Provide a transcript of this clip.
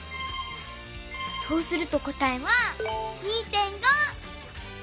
そうすると答えは２．５！